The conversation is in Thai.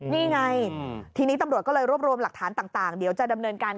นี่ไงทีนี้ตำรวจก็เลยรวบรวมหลักฐานต่างเดี๋ยวจะดำเนินการ